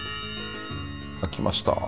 開きました。